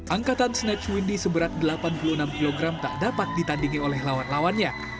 angkatan snatch windy seberat delapan puluh enam kg tak dapat ditandingi oleh lawan lawannya